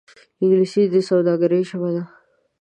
انګلیسي د سوداګرۍ ژبه ده